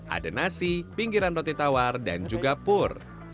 ada nasi pinggiran roti tawar dan juga pur